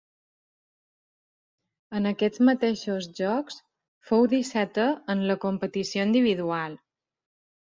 En aquests mateixos Jocs fou dissetè en la competició individual.